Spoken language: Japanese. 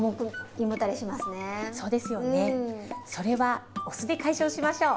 それはお酢で解消しましょう。